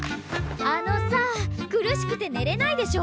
あのさ苦しくてねれないでしょ！